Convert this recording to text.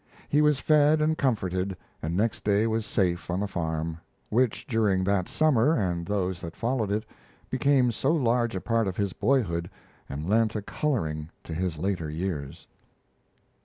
He was fed and comforted, and next day was safe on the farm, which during that summer and those that followed it, became so large a part of his boyhood and lent a coloring to his later years.